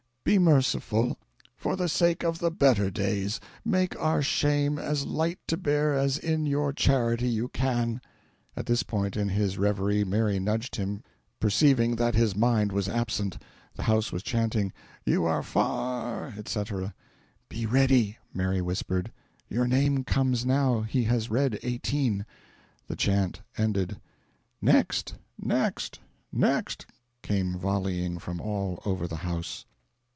Be merciful for the sake or the better days; make our shame as light to bear as in your charity you can." At this point in his reverie Mary nudged him, perceiving that his mind was absent. The house was chanting, "You are f a r," etc. "Be ready," Mary whispered. "Your name comes now; he has read eighteen." The chant ended. "Next! next! next!" came volleying from all over the house.